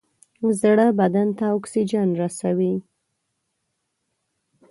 زړه بدن ته اکسیجن رسوي.